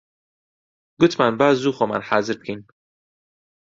گوتمان با زوو خۆمان حازر بکەین